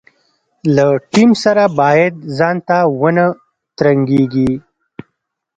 له ټیم سره باید ځانته ونه ترنګېږي.